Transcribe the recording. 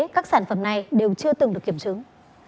các sản phẩm này đều chưa từng được kiểm chứng